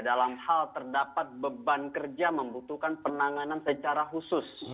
dalam hal terdapat beban kerja membutuhkan penanganan secara khusus